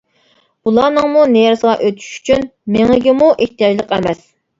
بۇلارنىڭمۇ نېرىسىغا ئۆتۈش ئۈچۈن مېڭىگىمۇ ئېھتىياجلىق ئەمەس.